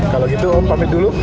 kalau gitu pamit dulu